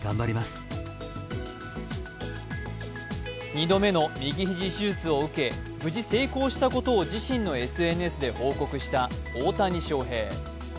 ２度目の右肘手術を受け無事成功したことを自身のＳＮＳで報告した大谷翔平。